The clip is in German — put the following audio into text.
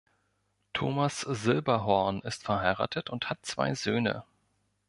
Thomas Silberhorn ist verheiratet und hat zwei Söhne.